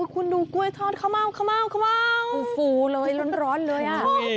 คุณดูกล้วยทอดข้าวเม้าร้อนเลยอะ